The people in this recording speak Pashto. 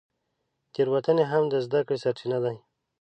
تېروتنې هم د زده کړې سرچینه دي.